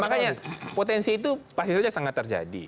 makanya potensi itu pasti saja sangat terjadi